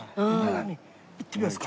行ってみますか。